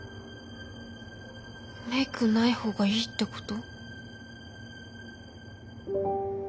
メイクない方がいいってこと？